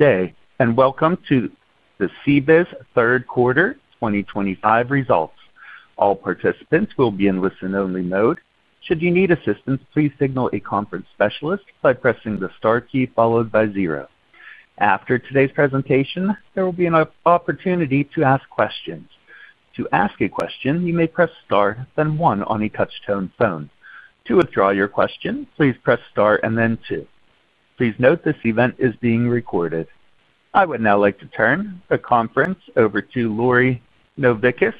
Okay. Welcome to the CBIZ Third Quarter 2025 Results. All participants will be in listen-only mode. Should you need assistance, please signal a conference specialist by pressing the star key followed by zero. After today's presentation, there will be an opportunity to ask questions. To ask a question, you may press star then one on your touch-tone phone. To withdraw your question, please press star and then two. Please note, this event is being recorded. I would now like to turn the conference over to Lori Novickis,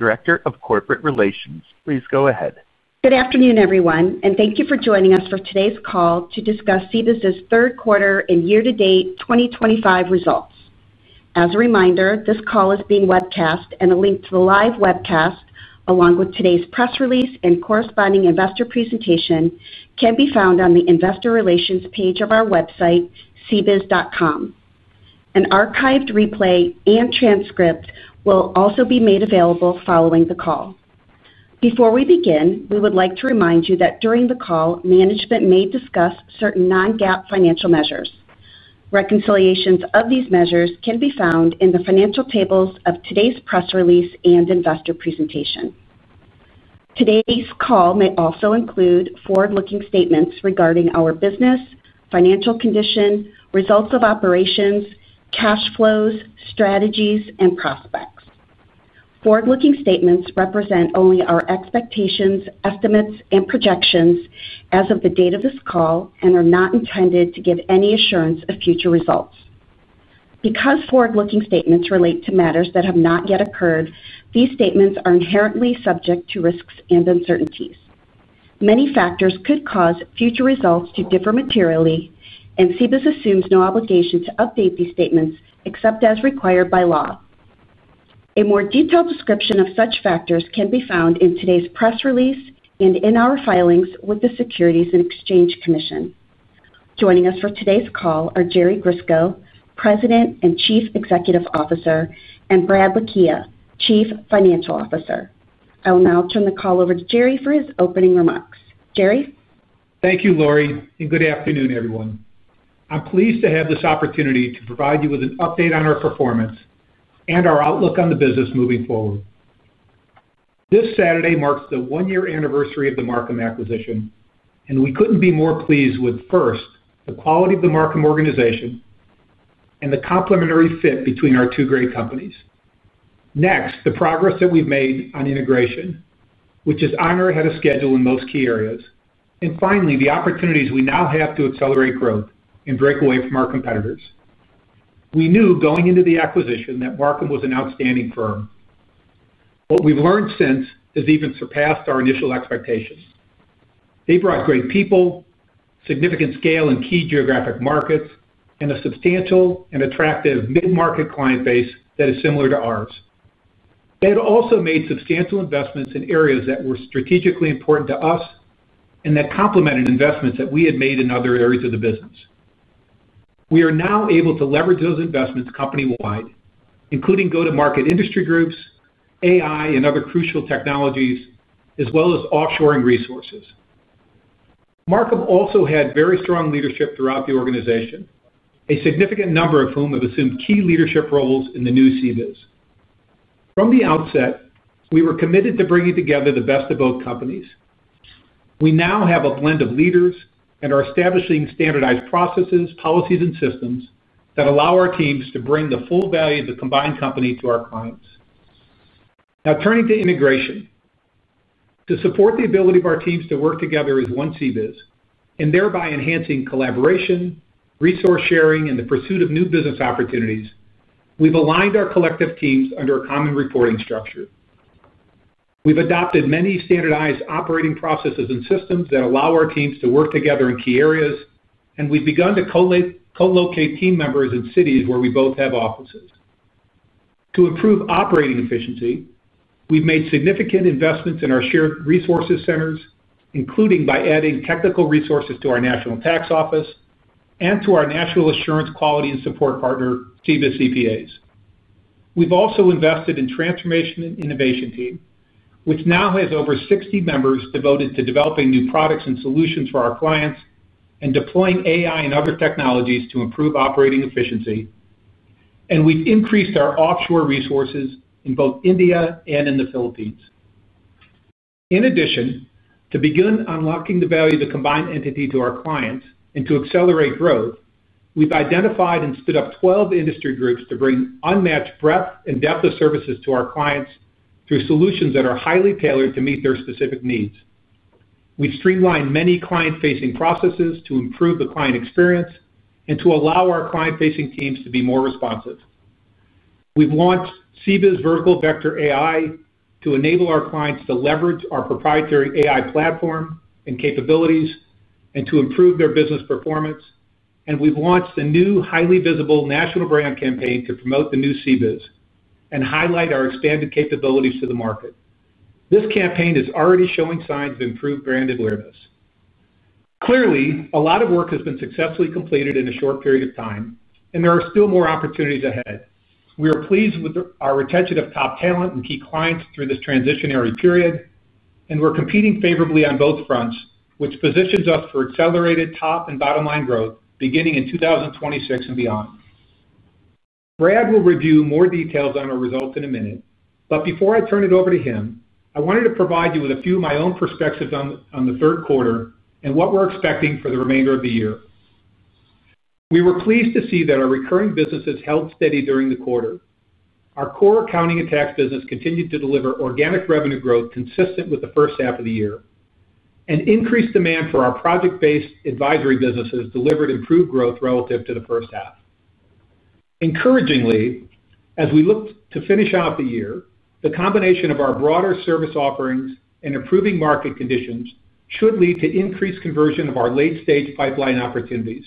Director of Corporate Relations. Please go ahead. Good afternoon, everyone. Thank you for joining us for today's call, to discuss CBIZ's Third Quarter and Year-to-date 2025 Results. As a reminder, this call is being webcast, and a link to the live webcast, along with today's press release and corresponding investor presentation can be found on the investor relations page of our website, cbiz.com. An archived replay and transcript will also be made available following the call. Before we begin, we would like to remind you that during the call, management may discuss certain non-GAAP financial measures. Reconciliations of these measures can be found in the financial tables of today's press release and investor presentation. Today's call may also include forward-looking statements regarding our business, financial condition, results of operations, cash flows, strategies, and prospects. Forward-looking statements represent only our expectations, estimates, and projections as of the date of this call and are not intended to give any assurance of future results. Forward-looking statements relate to matters that have not yet occurred, these statements are inherently subject to risks and uncertainties. Many factors could cause future results to differ materially, and CBIZ assumes no obligation to update these statements except as required by law. A more detailed description of such factors can be found in today's press release, and in our filings with the Securities and Exchange Commission. Joining us for today's call are Jerry Grisko, President and Chief Executive Officer, and Brad Lakhia, Chief Financial Officer. I will now turn the call over to Jerry for his opening remarks. Jerry? Thank you, Lori. Good afternoon, everyone. I'm pleased to have this opportunity to provide you with an update on our performance, and our outlook on the business moving forward. This Saturday marks the one-year anniversary of the Marcum acquisition, and we couldn't be more pleased with first, the quality of the Marcum organization and the complementary fit between our two great companies. Next, the progress that we've made on integration, which is on or ahead of schedule in most key areas, and finally, the opportunities we now have to accelerate growth and break away from our competitors. We knew going into the acquisition, that Marcum was an outstanding firm. What we've learned since has even surpassed our initial expectations. They brought great people, significant scale in key geographic markets, and a substantial and attractive mid-market client base that is similar to ours. They had also made substantial investments in areas that were strategically important to us, and that complemented investments that we had made in other areas of the business. We are now able to leverage those investments company-wide, including go-to-market industry groups, AI, and other crucial technologies, as well as offshoring resources. Marcum also had very strong leadership throughout the organization, a significant number of whom have assumed key leadership roles in the new CBIZ. From the outset, we were committed to bringing together the best of both companies. We now have a blend of leaders and are establishing standardized processes, policies, and systems that allow our teams to bring the full value of the combined company to our clients. Now, turning to integration, to support the ability of our teams to work together as one CBIZ and thereby enhancing collaboration, resource sharing, and the pursuit of new business opportunities, we've aligned our collective teams under a common reporting structure. We've adopted many standardized operating processes and systems that allow our teams to work together in key areas, and we've begun to co-locate team members in cities where we both have offices. To improve operating efficiency, we've made significant investments in our shared resources centers, including by adding technical resources to our national tax office and to our national assurance quality and support partner, CBIZ CPAs. We've also invested in the transformation and innovation team, which now has over 60 members devoted to developing new products and solutions for our clients and deploying AI and other technologies to improve operating efficiency. We've increased our offshore resources in both India and in the Philippines. In addition, to begin unlocking the value of the combined entity to our clients and to accelerate growth, we've identified and split up 12 industry groups to bring unmatched breadth and depth of services to our clients, through solutions that are highly tailored to meet their specific needs. We've streamlined many client-facing processes to improve the client experience and to allow our client-facing teams to be more responsive. We've launched the CBIZ Vertical Vector AI platform, to enable our clients to leverage our proprietary AI platform and capabilities and to improve their business performance. We've launched a new highly visible national brand campaign to promote the new CBIZ, and highlight our expanded capabilities to the market. This campaign is already showing signs of improved brand awareness. Clearly, a lot of work has been successfully completed in a short period of time, and there are still more opportunities ahead. We are pleased with our retention of top talent and key clients through this transitionary period, and we're competing favorably on both fronts, which positions us for accelerated top and bottom-line growth beginning in 2026 and beyond. Brad will review more details on our results in a minute. Before I turn it over to him, I wanted to provide you with a few of my own perspectives on the third quarter, and what we're expecting for the remainder of the year. We were pleased to see that our recurring businesses held steady during the quarter. Our core accounting and tax business continued to deliver organic revenue growth consistent with the first half of the year, and increased demand for our project-based advisory businesses delivered improved growth relative to the first half. Encouragingly, as we look to finish off the year, the combination of our broader service offerings and improving market conditions should lead to increased conversion of our late-stage pipeline opportunities.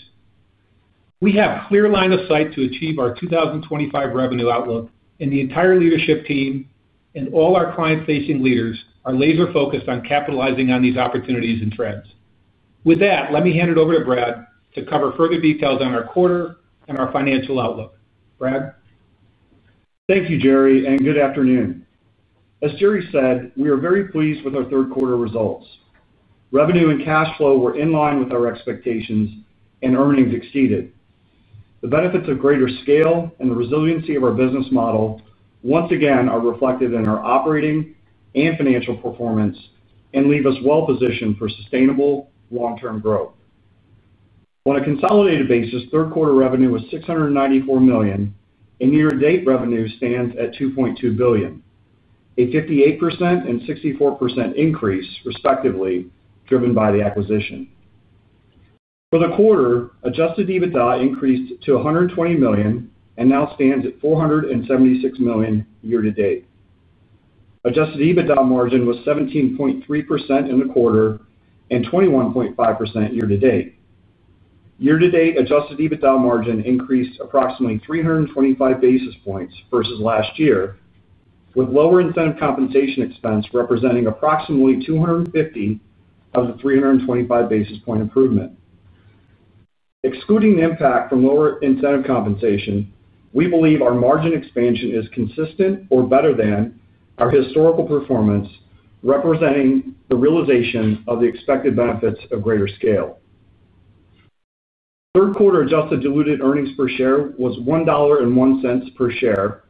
We have a clear line of sight to achieve our 2025 revenue outlook, and the entire leadership team and all our client-facing leaders are laser-focused on capitalizing on these opportunities and trends. With that, let me hand it over to Brad to cover further details on our quarter and our financial outlook. Brad. Thank you, Jerry and good afternoon. As Jerry said, we are very pleased with our third-quarter results. Revenue and cash flow were in line with our expectations, and earnings exceeded. The benefits of greater scale, and the resiliency of our business model once again are reflected in our operating and financial performance and leave us well-positioned for sustainable long-term growth. On a consolidated basis, third-quarter revenue was $694 million and year-to-date revenue stands at $2.2 billion, a 58% and 64% increase respectively, driven by the acquisition. For the quarter, adjusted EBITDA increased to $120 million and now stands at $476 million year-to-date. Adjusted EBITDA margin was 17.3% in the quarter and 21.5% year-to-date. Year-to-date adjusted EBITDA margin increased approximately 325 basis points versus last year, with lower incentive compensation expense representing approximately 250 of the 325 basis point improvement. Excluding the impact from lower incentive compensation, we believe our margin expansion is consistent or better than our historical performance, representing the realization of the expected benefits of greater scale. Third-quarter adjusted diluted earnings per share was $1.01 per share,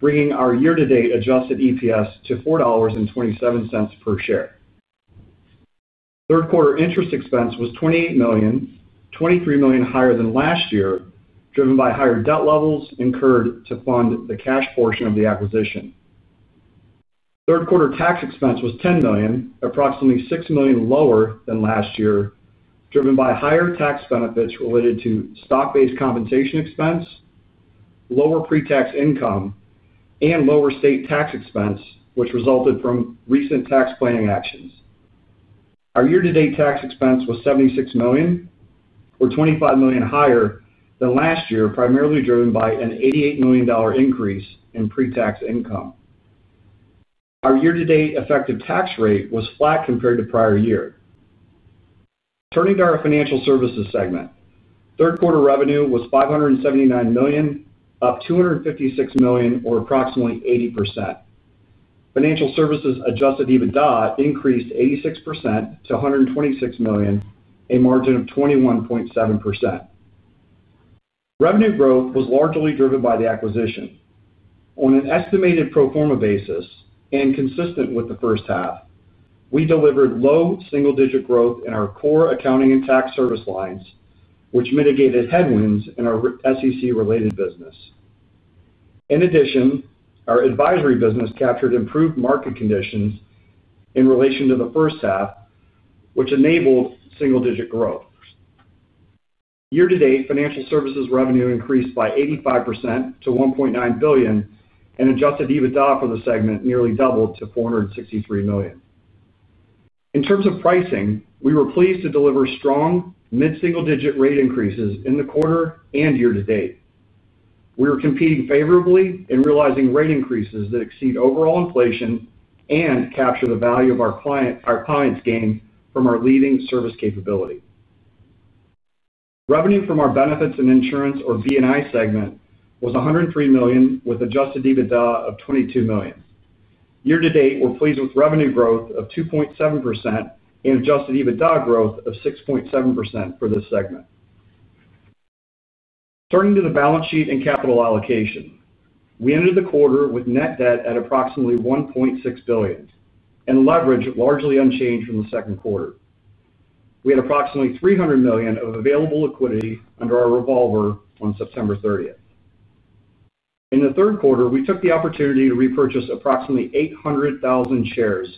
bringing our year-to-date adjusted EPS to $4.27 per share. Third-quarter interest expense was $28 million, $23 million higher than last year, driven by higher debt levels incurred to fund the cash portion of the acquisition. Third-quarter tax expense was $10 million, approximately $6 million lower than last year, driven by higher tax benefits related to stock-based compensation expense, lower pre-tax income, and lower state tax expense, which resulted from recent tax planning actions. Our year-to-date tax expense was $76 million, or $25 million higher than last year, primarily driven by an $88 million increase in pre-tax income. Our year-to-date effective tax rate was flat compared to prior year. Turning to our financial services segment, third-quarter revenue was $579 million, up $256 million, or approximately 80%. Financial services adjusted EBITDA increased 86% to $126 million, a margin of 21.7%. Revenue growth was largely driven by the acquisition. On an estimated pro forma basis and consistent with the first half, we delivered low single-digit growth in our core accounting and tax service lines, which mitigated headwinds in our SEC-related business. In addition, our advisory business captured improved market conditions in relation to the first half, which enabled single-digit growth. Year-to-date financial services revenue increased by 85% to $1.9 billion, and adjusted EBITDA for the segment nearly doubled to $463 million. In terms of pricing, we were pleased to deliver strong mid-single-digit rate increases in the quarter and year-to-date. We were competing favorably, and realizing rate increases that exceed overall inflation and capture the value of our clients' gains from our leading service capability. Revenue from our benefits and insurance, or B&I segment was $103 million, with adjusted EBITDA of $22 million. Year-to-date we're pleased with revenue growth of 2.7%, and adjusted EBITDA growth of 6.7% for this segment. Turning to the balance sheet and capital allocation, we ended the quarter with net debt at approximately $1.6 billion and leverage largely unchanged from the second quarter. We had approximately $300 million of available liquidity under our revolver on September 30th. In the third quarter, we took the opportunity to repurchase approximately 800,000 shares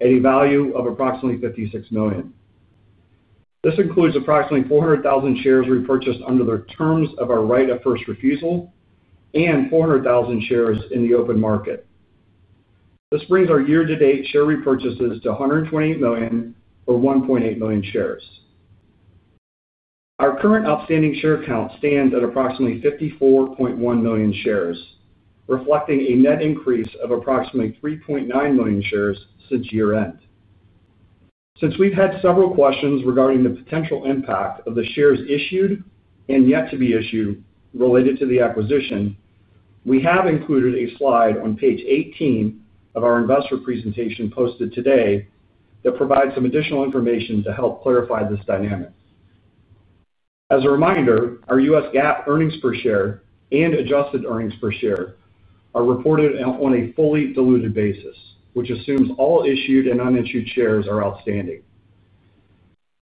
at a value of approximately $56 million. This includes approximately 400,000 shares repurchased under the terms of our right of first refusal, and 400,000 shares in the open market. This brings our year-to-date share repurchases to $128 million or 1.8 million shares. Our current outstanding share count stands at approximately 54.1 million shares, reflecting a net increase of approximately 3.9 million shares since year-end. Since we've had several questions regarding the potential impact of the shares issued and yet to be issued related to the acquisition, we have included a slide on page 18 of our investor presentation posted today, that provides some additional information to help clarify this dynamic. As a reminder, our U.S. GAAP earnings per share and adjusted earnings per share are reported on a fully diluted basis, which assumes all issued and unissued shares are outstanding.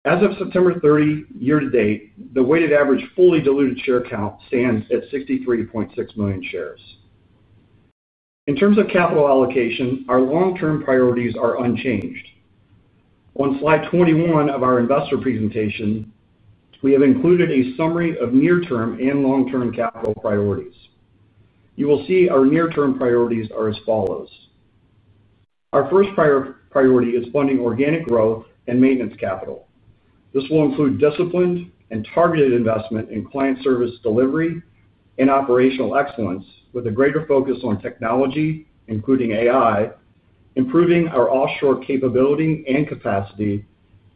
As of September 30, year to date, the weighted average fully diluted share count stands at 63.6 million shares. In terms of capital allocation, our long-term priorities are unchanged. On slide 21 of our investor presentation, we have included a summary of near-term and long-term capital priorities. You will see our near-term priorities are as follows. Our first priority is funding organic growth and maintenance capital. This will include disciplined and targeted investment in client service delivery and operational excellence, with a greater focus on technology, including AI, improving our offshore capability and capacity,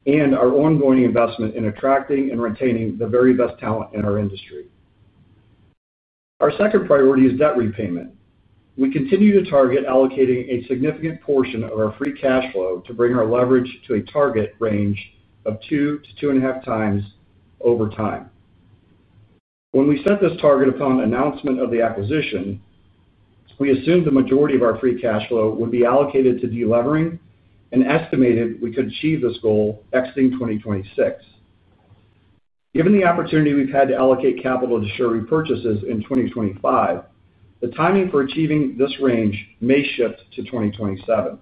and our ongoing investment in attracting and retaining the very best talent in our industry. Our second priority is debt repayment. We continue to target allocating a significant portion of our free cash flow to bring our leverage to a target range of 2x-2.5x over time. When we set this target upon announcement of the acquisition, we assumed the majority of our free cash flow would be allocated to delevering and estimated, we could achieve this goal exiting 2026. Given the opportunity we've had to allocate capital to share repurchases in 2025, the timing for achieving this range may shift to 2027.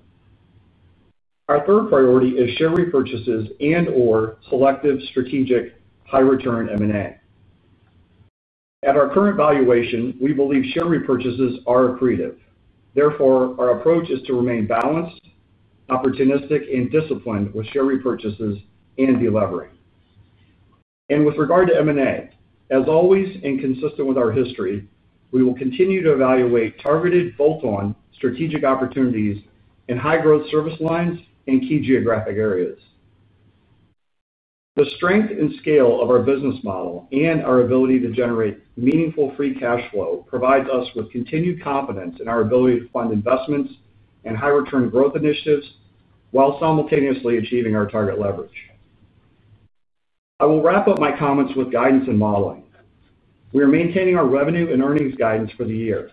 Our third priority is share repurchases and/or selective strategic high-return M&A. At our current valuation, we believe share repurchases are accretive. Therefore, our approach is to remain balanced, opportunistic, and disciplined with share repurchases and delevering. With regard to M&A, as always, and consistent with our history, we will continue to evaluate targeted bolt-on strategic opportunities in high-growth service lines and key geographic areas. The strength and scale of our business model and our ability to generate meaningful free cash flow. provide us with continued confidence in our ability to fund investments and high-return growth initiatives, while simultaneously achieving our target leverage. I will wrap up my comments with guidance and modeling. We are maintaining our revenue and earnings guidance for the year.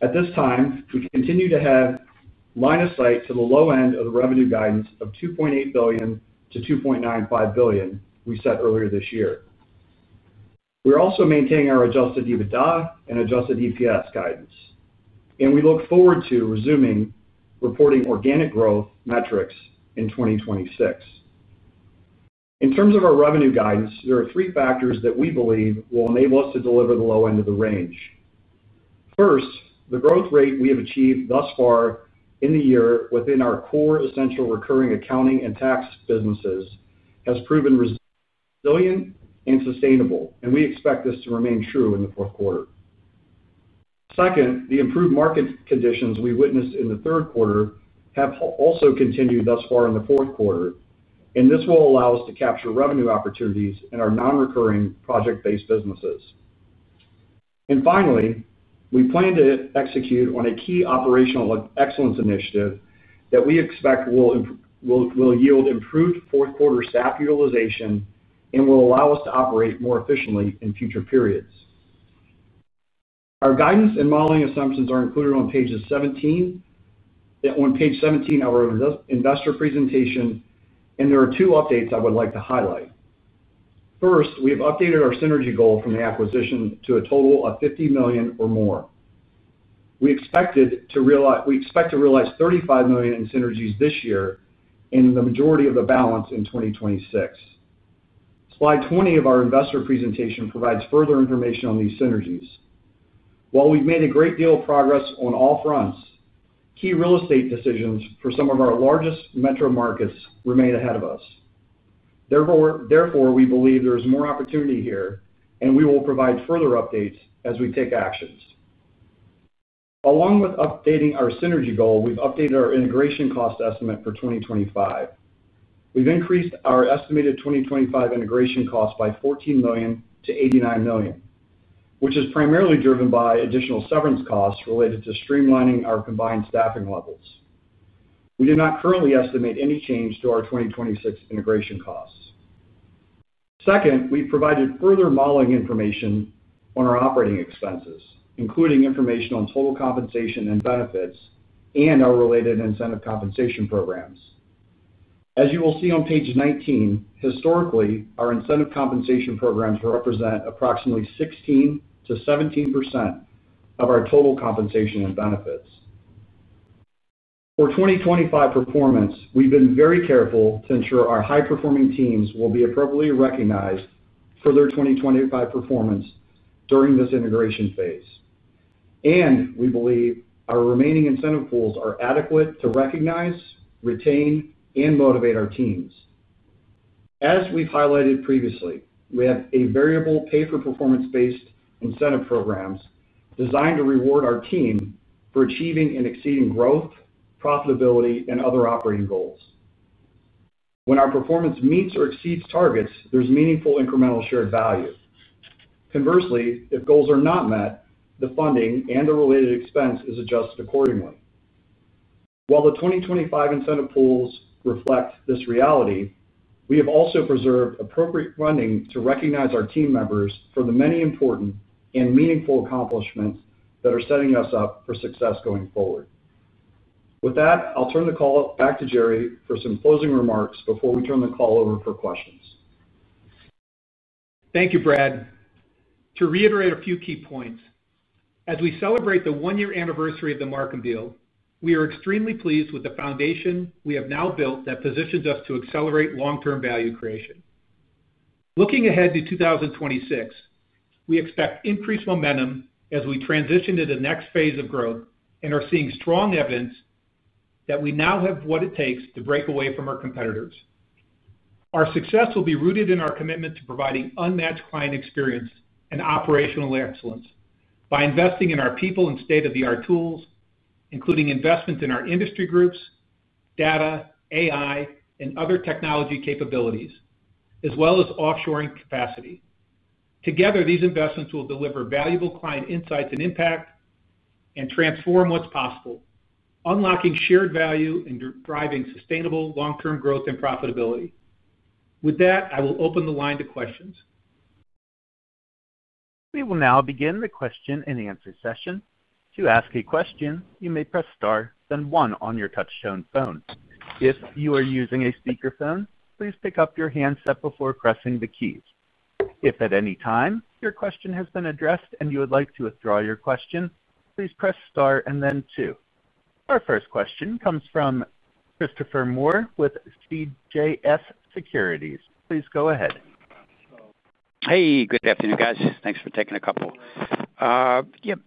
At this time, we continue to have line of sight to the low end of the revenue guidance of $2.8 billion-$2.95 billion we set earlier this year. We are also maintaining our adjusted EBITDA and adjusted EPS guidance, and we look forward to resuming reporting organic growth metrics in 2026. In terms of our revenue guidance, there are three factors that we believe will enable us to deliver the low end of the range. First, the growth rate we have achieved thus far in the year within our core essential recurring accounting and tax businesses, has proven resilient and sustainable, and we expect this to remain true in the fourth quarter. Second, the improved market conditions we witnessed in the third quarter have also continued thus far in the fourth quarter, and this will allow us to capture revenue opportunities in our non-recurring project-based businesses. Finally, we plan to execute on a key operational excellence initiative, that we expect will yield improved fourth-quarter staff utilization and will allow us to operate more efficiently in future periods. Our guidance and modeling assumptions are included on page 17 of our investor presentation, and there are two updates I would like to highlight. First, we have updated our synergy goal from the acquisition to a total of $50 million or more. We expect to realize $35 million in synergies this year and the majority of the balance in 2026. Slide 20 of our investor presentation provides further information on these synergies. While we've made a great deal of progress on all fronts, key real estate decisions for some of our largest metro markets remain ahead of us. Therefore, we believe there is more opportunity here, and we will provide further updates as we take actions. Along with updating our synergy goal, we've updated our integration cost estimate for 2025. We've increased our estimated 2025 integration cost by $14 million to $89 million, which is primarily driven by additional severance costs related to streamlining our combined staffing levels. We do not currently estimate any change to our 2026 integration costs. Second, we've provided further modeling information on our operating expenses, including information on total compensation and benefits and our related incentive compensation programs. As you will see on page 19, historically, our incentive compensation programs represent approximately 16%-17% of our total compensation and benefits. For 2025 performance, we've been very careful to ensure our high-performing teams will be appropriately recognized for their 2025 performance during this integration phase, and we believe our remaining incentive pools are adequate to recognize, retain, and motivate our teams. As we've highlighted previously, we have variable pay-for-performance-based incentive programs, designed to reward our team for achieving and exceeding growth, profitability, and other operating goals. When our performance meets or exceeds targets, there's meaningful incremental shared value. Conversely, if goals are not met, the funding and the related expense is adjusted accordingly. While the 2025 incentive pools reflect this reality, we have also preserved appropriate funding to recognize our team members for the many important and meaningful accomplishments that are setting us up for success going forward. With that, I'll turn the call back to Jerry for some closing remarks, before we turn the call over for questions. Thank you, Brad. To reiterate a few key points, as we celebrate the one-year anniversary of the Marcum deal, we are extremely pleased with the foundation we have now built, that positions us to accelerate long-term value creation. Looking ahead to 2026, we expect increased momentum as we transition to the next phase of growth and are seeing strong evidence that we now have what it takes to break away from our competitors. Our success will be rooted in our commitment to providing unmatched client experience and operational excellence, by investing in our people and state-of-the-art tools, including investment in our industry groups, data, AI, and other technology capabilities, as well as offshoring capacity. Together, these investments will deliver valuable client insights and impact, and transform what's possible, unlocking shared value and driving sustainable long-term growth and profitability. With that, I will open the line to questions. We will now begin the question-and-answer session. To ask a question, you may press star, then one on your touch-tone phone. If you are using a speakerphone, please pick up your handset before pressing the keys. If at any time your question has been addressed and you would like to withdraw your question, please press star and then two. Our first question comes from Christopher Moore with CJS Securities. Please go ahead. Hey. Good afternoon, guys. Thanks for taking a couple.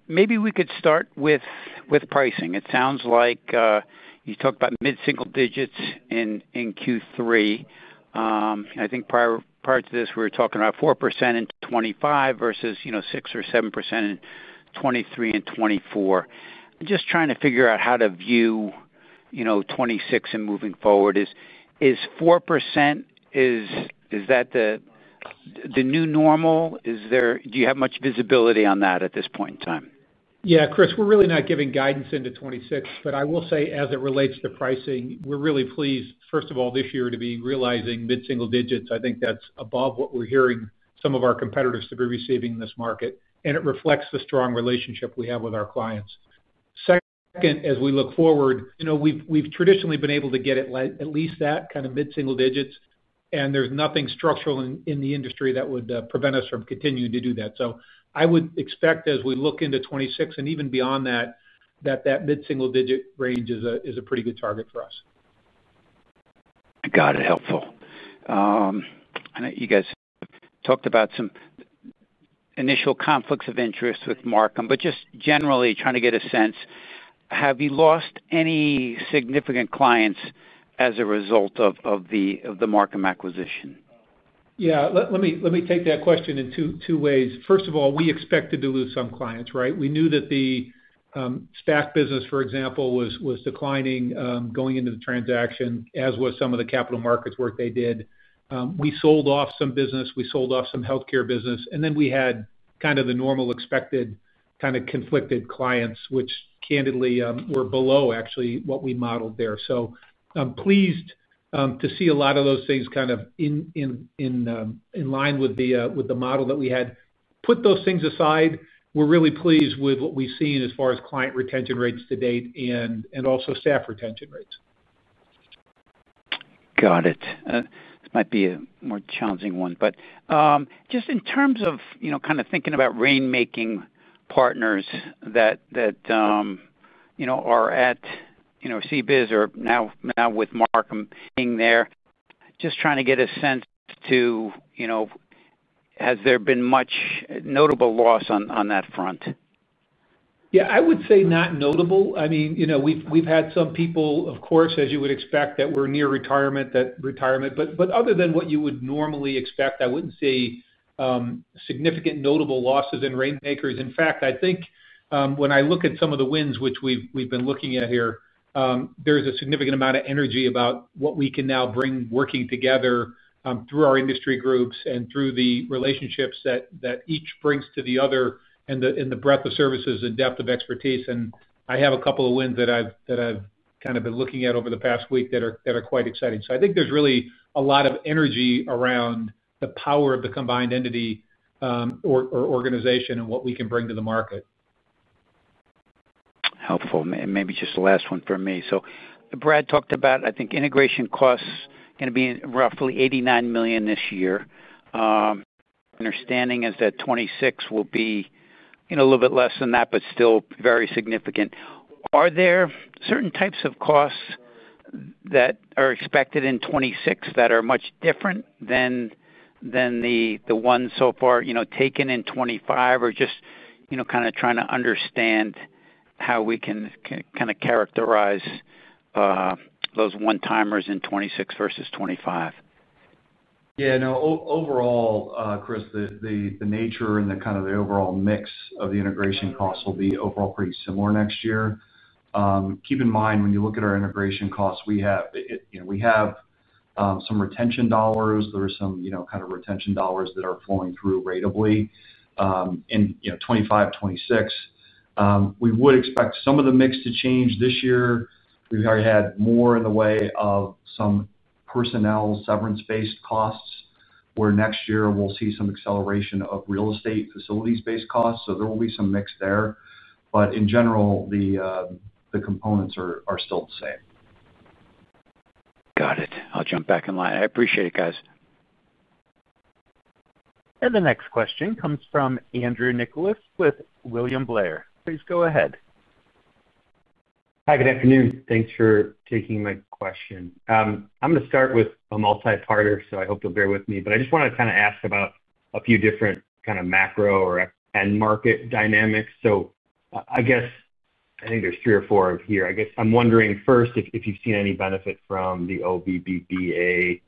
Maybe we could start with pricing. It sounds like you talked about mid-single digits in Q3. I think prior to this, we were talking about 4% in 2025 versus 6% or 7% in 2023 and 2024. I'm just trying to figure out how to view 2026 and moving forward. 4%, is that the new normal? Do you have much visibility on that at this point in time? Yeah. Chris, we're really not giving guidance into 2026, but I will say as it relates to pricing, we're really pleased, first of all, this year to be realizing mid-single digits. I think that's above what we're hearing some of our competitors to be receiving in this market, and it reflects the strong relationship we have with our clients. Second, as we look forward, we've traditionally been able to get at least that kind of mid-single digits, and there's nothing structural in the industry that would prevent us from continuing to do that. I would expect as we look into 2026 and even beyond that, that that mid-single digit range is a pretty good target for us. I got it, helpful. I know you guys talked about some initial conflicts of interest with Marcum, but just generally trying to get a sense, have you lost any significant clients as a result of the Marcum acquisition? Yeah, let me take that question in two ways. First of all, we expect to delude some clients, right? We knew that the staff business, for example, was declining going into the transaction, as was some of the capital markets work they did. We sold off some business. We sold off some healthcare business, and then we had kind of the normal expected kind of conflicted clients, which candidly were below actually what we modeled there. I'm pleased to see a lot of those things kind of in line with the model that we had. Put those things aside, we're really pleased with what we've seen as far as client retention rates to date and also staff retention rates. Got it. This might be a more challenging one, but just in terms of kind of thinking about rainmaking partners that are at CBIZ or now with Marcum being there, just trying to get a sense too, has there been much notable loss on that front? Yeah, I would say not notable. I mean, we've had some people, of course as you would expect, that were near retirement, but other than what you would normally expect, I wouldn't see significant notable losses in rainmakers. In fact, I think when I look at some of the wins which we've been looking at here, there's a significant amount of energy about what we can now bring working together through our industry groups and through the relationships that each brings to the other, and the breadth of services and depth of expertise. I have a couple of wins that I've kind of been looking at over the past week that are quite exciting. I think there's really a lot of energy around the power of the combined entity or organization, and what we can bring to the market. Helpful. Maybe just the last one for me. Brad talked about, I think integration costs, going to be roughly $89 million this year. My understanding is that 2026 will be a little bit less than that, but still very significant. Are there certain types of costs that are expected in 2026, that are much different than the ones so far taken in 2025? I'm just trying to understand how we can kind of characterize those one-timers in 2026 versus 2025. Yeah. No, overall, Chris, the nature and the kind of the overall mix of the integration costs will be overall pretty similar next year. Keep in mind, when you look at our integration costs, we have some retention dollars. There are some retention dollars that are flowing through ratably in 2025, 2026. We would expect some of the mix to change this year. We've already had more in the way of some personnel severance-based costs, where next year we'll see some acceleration of real estate facilities-based costs. There will be some mix there. In general, the components are still the same. Got it. I'll jump back in line. I appreciate it, guys. The next question comes from Andrew Nicholas with William Blair. Please go ahead. Hi, good afternoon. Thanks for taking my question. I'm going to start with a multi-parter, so I hope you'll bear with me. I just want to kind of ask about a few different kind of macro or end-market dynamics. I think there's three or four here. I'm wondering first, if you've seen any benefit from the OVBPA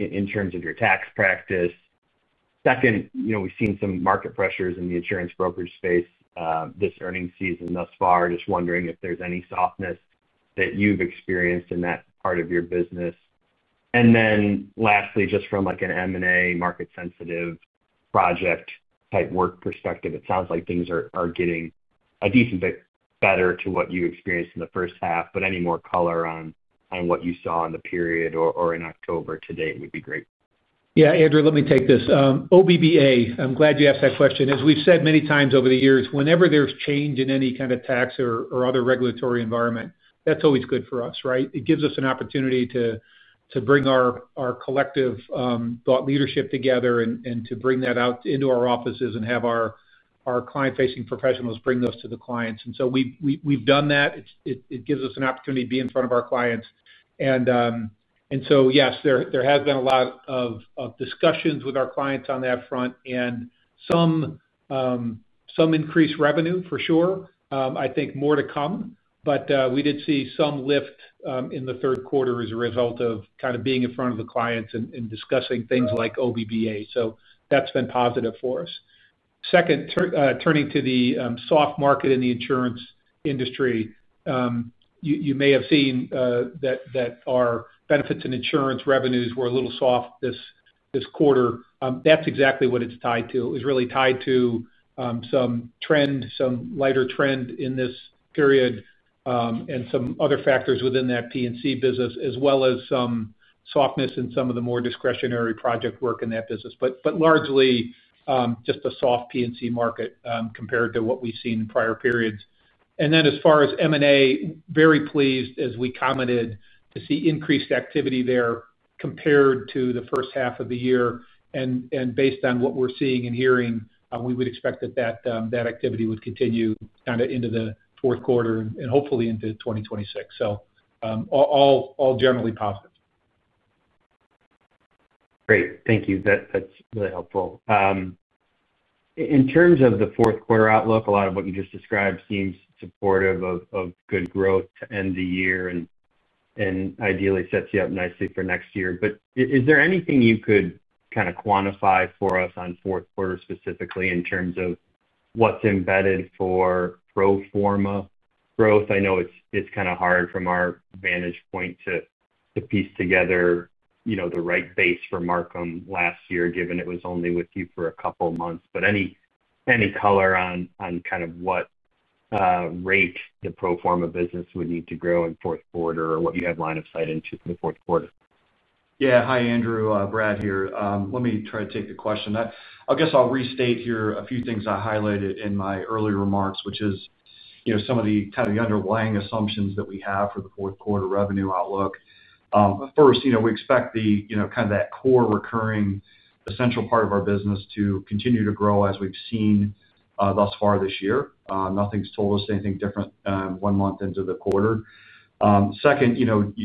in terms of your tax practice. Second, we've seen some market pressures in the insurance brokerage space this earnings season thus far. Just wondering if there's any softness that you've experienced in that part of your business. Lastly, just from like an M&A market-sensitive project type work perspective, it sounds like things are getting a decent bit better to what you experienced in the first half. Any more color on what you saw in the period or in October to date would be great. Yeah. Andrew, let me take this. OVBPA, I'm glad you asked that question. As we've said many times over the years, whenever there's change in any kind of tax or other regulatory environment, that's always good for us, right? It gives us an opportunity to bring our collective thought leadership together, and to bring that out into our offices and have our client-facing professionals bring those to the clients. We've done that. It gives us an opportunity to be in front of our clients. Yes, there has been a lot of discussions with our clients on that front, and some increased revenue for sure. I think more to come, but we did see some lift in the third quarter as a result of being in front of the clients and discussing things like OVBPA. That's been positive for us. Second, turning to the soft market in the insurance industry, you may have seen that our benefits and insurance revenues were a little soft this quarter. That's exactly what it's tied to. It's really tied to some trend, some lighter trend in this period and some other factors within that P&C business, as well as some softness in some of the more discretionary project work in that business. Largely, just a soft P&C market compared to what we've seen in prior periods. As far as M&A, very pleased, as we commented, to see increased activity there compared to the first half of the year. Based on what we're seeing and hearing, we would expect that that activity would continue into the fourth quarter and hopefully into 2026, so all generally positive. Great. Thank you. That's really helpful. In terms of the fourth quarter outlook, a lot of what you just described seems supportive of good growth to end the year and ideally sets you up nicely for next year. Is there anything you could kind of quantify for us on fourth quarter specifically in terms of what's embedded for pro forma growth? I know it's kind of hard from our vantage point to piece together the right base for Marcum last year, given it was only with you for a couple of months. Any color on what rate the pro forma business would need to grow in fourth quarter, or what you have line of sight into for the fourth quarter? Yeah. Hi, Andrew. Brad here. Let me try to take the question. I guess I'll restate here a few things I highlighted in my earlier remarks, which is, you know, some of the kind of the underlying assumptions that we have for the fourth quarter revenue outlook. First, you know, we expect kind of that core recurring essential part of our business to continue to grow as we've seen thus far this year. Nothing's told us anything different one month into the quarter. Second,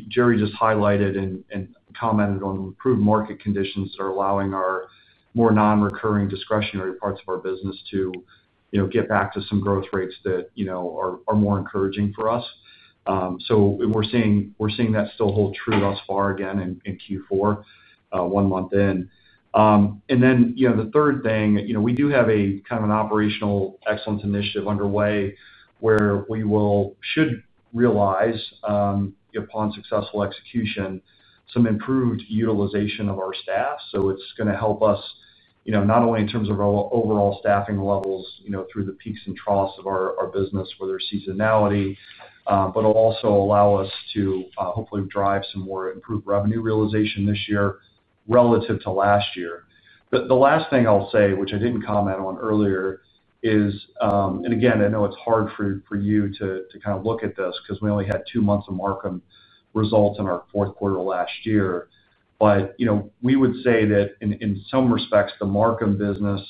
Jerry just highlighted and commented on improved market conditions that are allowing our more non-recurring discretionary parts of our business to get back to some growth rates that are more encouraging for us. We're seeing that still hold true thus far again in Q4, one month in. The third thing, we do have kind of an operational excellence initiative underway, where we should realize, upon successful execution, some improved utilization of our staff. It's going to help us not only in terms of our overall staffing levels, through the peaks and troughs of our business where there's seasonality, but will also allow us to hopefully drive some more improved revenue realization this year relative to last year. The last thing I'll say, which I didn't comment on earlier, is, and again I know it's hard for you to kind of look at this because we only had two months of Marcum results in our fourth quarter of last year. We would say that in some respects, the Marcum business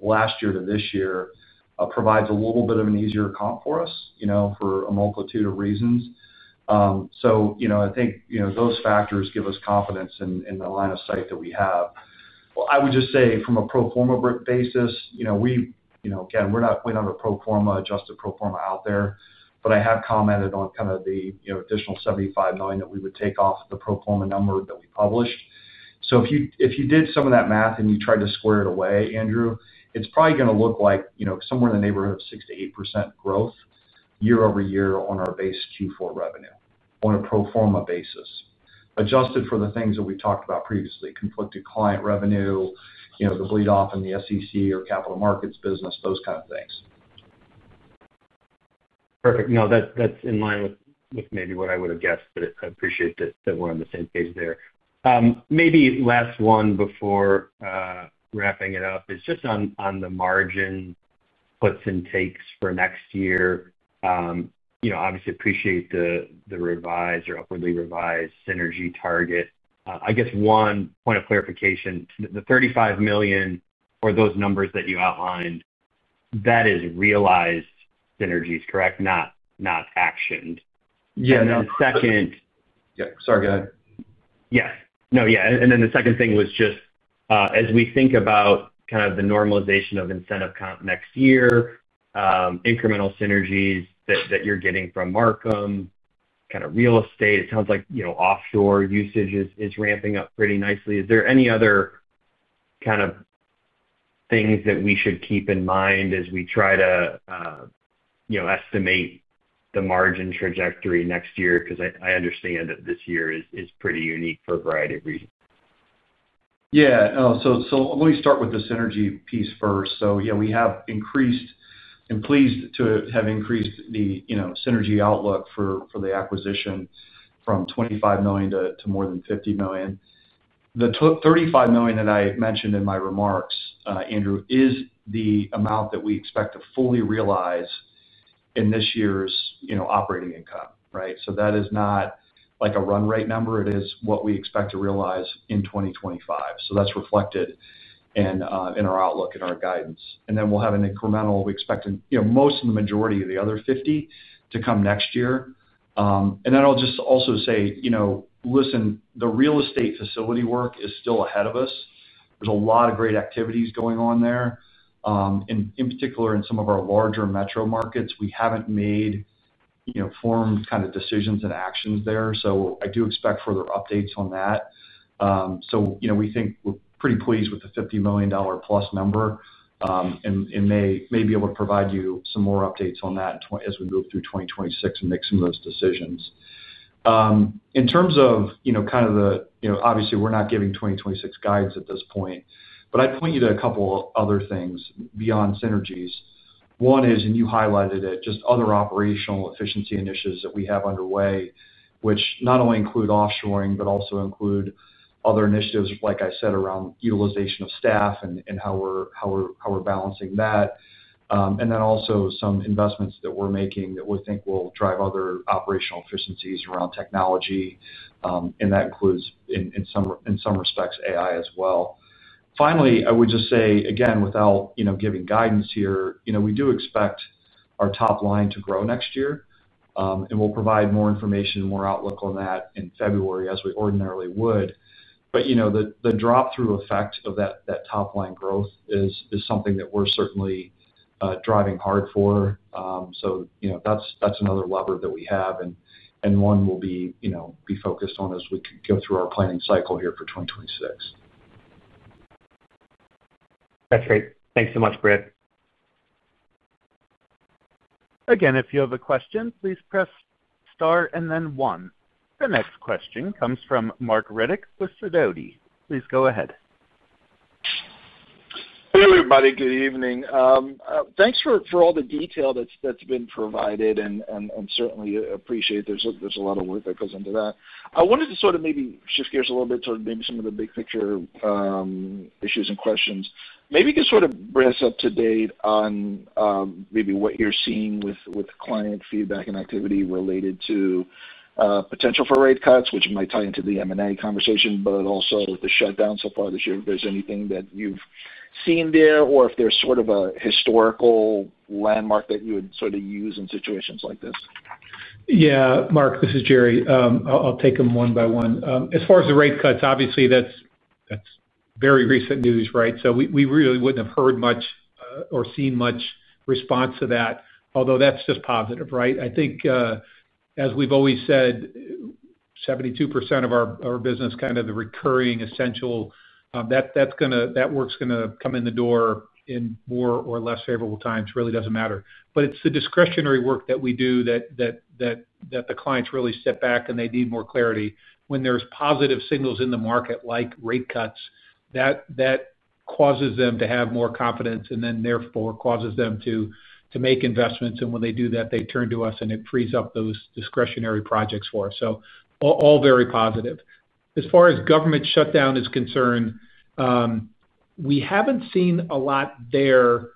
last year to this year provides a little bit of an easier comp for us, for a multitude of reasons. I think those factors give us confidence in the line of sight that we have. I would just say from a pro forma basis, again we don't have an adjusted pro forma out there, but I have commented on kind of the additional $75 million that we would take off the pro forma number that we published. If you did some of that math and you tried to square it away, Andrew, it's probably going to look like somewhere in the neighborhood of 6%-8% growth year-over-year on our base Q4 revenue on a pro forma basis. Adjusted for the things that we've talked about previously, conflicted client revenue, the bleed-off in the SEC or capital markets business, those kind of things. Perfect. No, that's in line with maybe what I would have guessed, but I appreciate that we're on the same page there. Maybe last one before wrapping it up, is just on the margin puts and takes for next year. Obviously, I appreciate the revised or upwardly revised synergy target. I guess one point of clarification, the $35 million for those numbers that you outlined, that is realized synergies, correct? Not actioned. Yeah. No, [not actioned]. Yeah, go ahead. Yes. The second thing was just, as we think about kind of the normalization of incentive comp next year, incremental synergies that you're getting from Marcum, kind of real estate, it sounds like offshore usage is ramping up pretty nicely. Is there any other kind of things that we should keep in mind as we try to estimate the margin trajectory next year? I understand that this year is pretty unique for a variety of reasons. Yeah. Let me start with the synergy piece first. We have increased and are pleased to have increased the synergy outlook for the acquisition from $25 million to more than $50 million. The $35 million that I mentioned in my remarks, Andrew, is the amount that we expect to fully realize in this year's operating income, right? That is not like a run rate number. It is what we expect to realize in 2025. That's reflected in our outlook and our guidance. We expect most of the majority of the other $50 million to come next year. I will also say, the real estate facility work is still ahead of us. There are a lot of great activities going on there. In particular, in some of our larger metro markets, we haven't made formed kind of decisions and actions there. I do expect further updates on that. We think we're pretty pleased with the $50+ million number, and may be able to provide you some more updates on that as we move through 2026 and make some of those decisions. Obviously, we're not giving 2026 guidance at this point, but I'd point you to a couple of other things beyond synergies. One is, and you highlighted it, just other operational efficiency initiatives that we have underway, which not only include offshoring, but also include other initiatives like I said, around utilization of staff and how we're balancing that. Also, some investments that we're making, that we think will drive other operational efficiencies around technology. That includes, in some respects, AI as well. Finally, I would just say again, without giving guidance here, we do expect our top line to grow next year. We'll provide more information and more outlook on that in February as we ordinarily would. The drop-through effect of that top line growth is something that we're certainly driving hard for. That's another lever that we have, and one we'll be focused on as we go through our planning cycle here for 2026. That's great. Thanks so much, Brad. Again, if you have a question, please press star and then one. The next question comes from Marc Riddick with Sidoti. Please go ahead. Hello, everybody. Good evening. Thanks for all the detail that's been provided, and certainly appreciate there's a lot of work that goes into that. I wanted to maybe shift gears a little bit towards some of the big picture issues and questions. Maybe you can bring us up to date on what you're seeing with client feedback and activity related to potential for rate cuts, which might tie into the M&A conversation, but also, with the shutdown so far this year. If there's anything that you've seen there, or if there's a historical landmark that you would use in situations like this. Yeah. Marc, this is Jerry. I'll take them one by one. As far as the rate cuts, obviously that's very recent news, right? We really wouldn't have heard much or seen much response to that, although that's just positive, right? I think as we've always said, 72% of our business, kind of the recurring essential, that work's going to come in the door in more or less favorable times. It really doesn't matter. It's the discretionary work that we do, that the clients really step back and they need more clarity. When there's positive signals in the market, like rate cuts, that causes them to have more confidence and then therefore causes them to make investments. When they do that, they turn to us and it frees up those discretionary projects for us, so all very positive. As far as government shutdown is concerned, we haven't seen a lot there.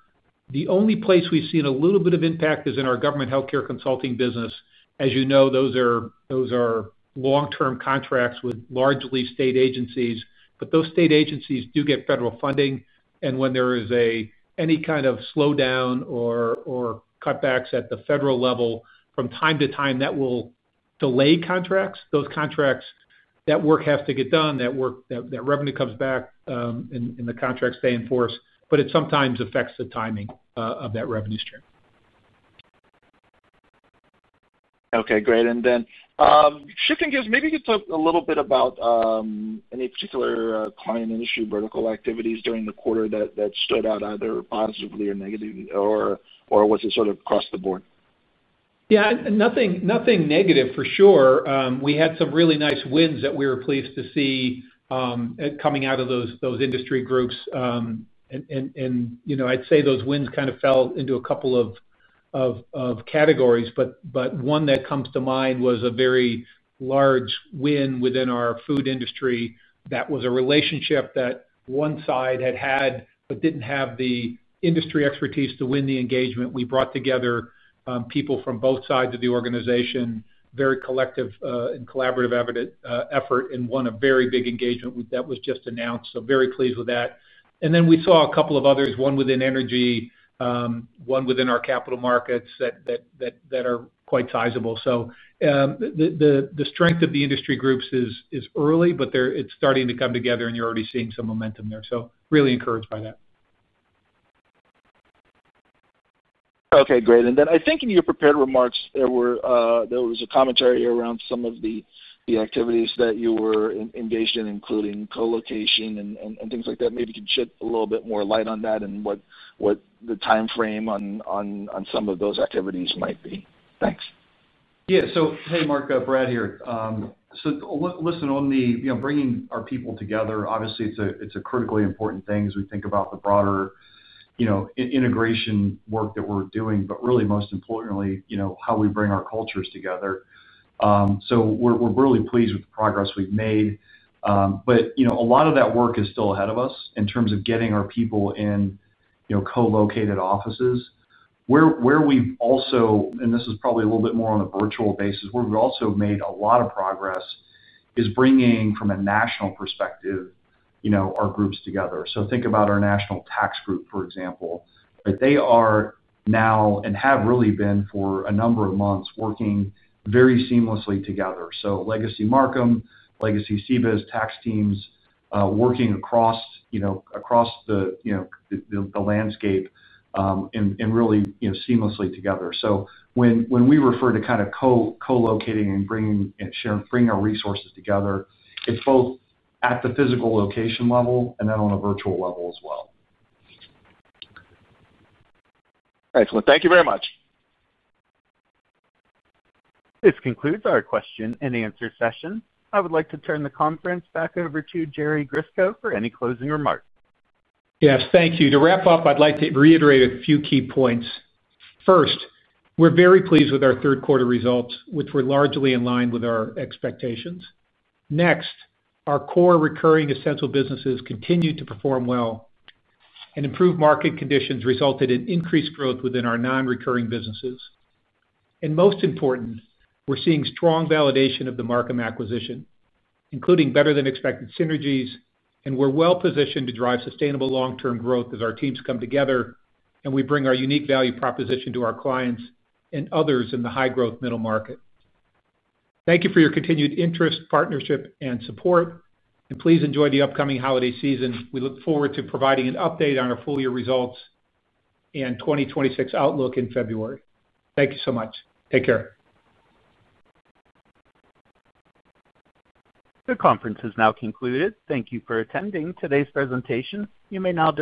The only place we've seen a little bit of impact is in our government healthcare consulting business. As you know, those are long-term contracts with largely state agencies, but those state agencies do get federal funding. When there is any kind of slowdown or cutbacks at the federal level, from time to time, that will delay contracts. Those contracts, that work has to get done. That revenue comes back and the contracts stay in force, but it sometimes affects the timing of that revenue stream. Okay, great. maybe you could talk a little bit about any particular client industry vertical activities during the quarter that stood out either positively or negatively, or was it sort of across the board? Yeah, nothing negative for sure. We had some really nice wins that we were pleased to see coming out of those industry groups. I'd say those wins kind of fell into a couple of categories, but one that comes to mind was a very large win within our food industry, that was a relationship that one side had had, but didn't have the industry expertise to win the engagement. We brought together people from both sides of the organization, very collective and collaborative effort, and won a very big engagement that was just announced. Very pleased with that. We saw a couple of others, one within energy, one within our capital markets that are quite sizable. The strength of the industry groups is early, but it's starting to come together and you're already seeing some momentum there. Really encouraged by that. Okay, great. I think in your prepared remarks, there was a commentary around some of the activities that you were engaged in, including colocation and things like that. Maybe you could shed a little bit more light on that, and what the timeframe on some of those activities might be. Thanks. Yeah. Hey, Marc. Brad here. Listen, on bringing our people together, obviously it's a critically important thing as we think about the broader integration work that we're doing, but really most importantly, how we bring our cultures together. We're really pleased with the progress we've made. A lot of that work is still ahead of us in terms of getting our people in co-located offices. This is probably a little bit more on a virtual basis, where we've also made a lot of progress, is bringing from a national perspective our groups together. Think about our national tax group, for example, right? They are now and have really been for a number of months, working very seamlessly together. Legacy Marcum, legacy CBIZ tax teams working across the landscape and really seamlessly together. When we refer to kind of co-locating and bringing our resources together, it's both at the physical location level and then on a virtual level as well. Excellent. Thank you very much. This concludes our question-and-answer session. I would like to turn the conference back over to Jerry Grisko for any closing remarks. Yes, thank you. To wrap up, I'd like to reiterate a few key points. First, we're very pleased with our third quarter results, which were largely in line with our expectations. Next, our core recurring essential businesses continued to perform well, and improved market conditions resulted in increased growth within our non-recurring businesses. Most important, we're seeing strong validation of the Marcum acquisition, including better than expected synergies. We're well positioned to drive sustainable long-term growth as our teams come together, and we bring our unique value proposition to our clients and others in the high-growth middle market. Thank you for your continued interest, partnership, and support, and please enjoy the upcoming holiday season. We look forward to providing an update on our full-year results, and 2026 outlook in February. Thank you so much. Take care. The conference is now concluded. Thank you for attending today's presentation. You may now disconnect.